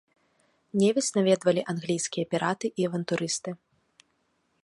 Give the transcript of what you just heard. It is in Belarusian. Невіс наведвалі англійскія піраты і авантурысты.